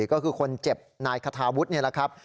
ก็คือคนเจ็บนายคาทาวุฒินี่แหละครับ